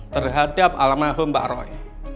terhadap alamah mbak roy